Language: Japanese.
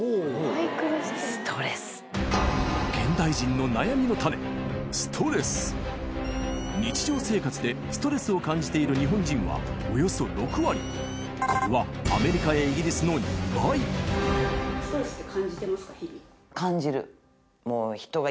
現代人の悩みの種日常生活でストレスを感じている日本人はおよそ６割これはアメリカやイギリスの２倍あとは。